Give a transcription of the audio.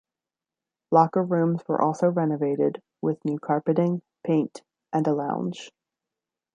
Locker rooms were also renovated, with new carpeting, paint, and a lounge.